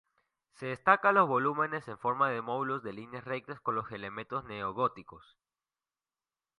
Se destacan los volúmenes en forma de módulos de líneas rectas con elementos neogóticos.